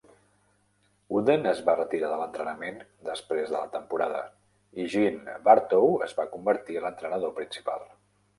Wooden es va retirar de l'entrenament després de la temporada, i Gene Bartow es va convertir en l'entrenador principal.